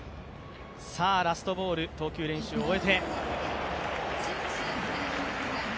ラストボール、投球練習を終えて。